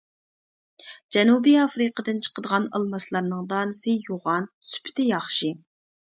جەنۇبى ئافرىقىدىن چىقىدىغان ئالماسلارنىڭ دانىسى يوغان، سۈپىتى ياخشى.